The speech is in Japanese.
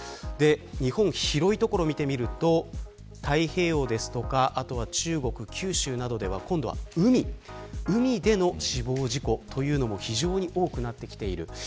日本、広い所を見てみると太平洋ですとか中国、九州などでは今度は海での死亡事故というのも非常に多くなってきている。